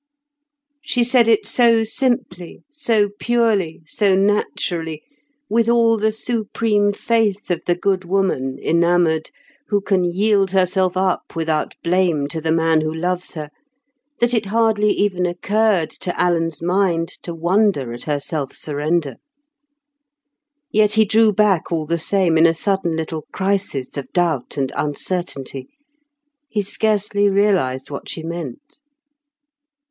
She said it so simply, so purely, so naturally, with all the supreme faith of the good woman, enamoured, who can yield herself up without blame to the man who loves her, that it hardly even occurred to Alan's mind to wonder at her self surrender. Yet he drew back all the same in a sudden little crisis of doubt and uncertainty. He scarcely realised what she meant.